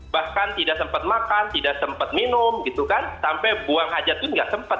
bahkan tidak sempat makan tidak sempat minum gitu kan sampai buang aja tuh nggak sempat